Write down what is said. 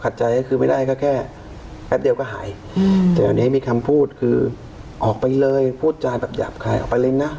แต่อันนี้มีคำพูดคือออกไปเลยพูดจ่ายแบบหยาบขายออกไปเลยนะ